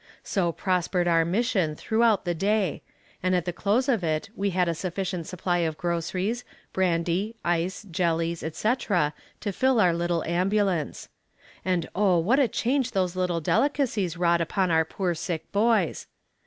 So prospered our mission throughout the day, and at the close of it we had a sufficient supply of groceries, brandy, ice, jellies, etc., to fill our little ambulance; and oh, what a change those little delicacies wrought upon our poor sick boys.